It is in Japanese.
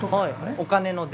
お金の銭？